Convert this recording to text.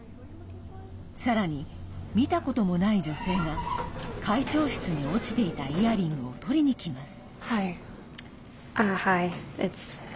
さらに、見たこともない女性が会長室に落ちていたイヤリングを取りに来ます。